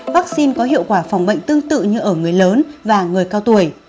vaccine có hiệu quả phòng bệnh tương tự như ở người lớn và người cao tuổi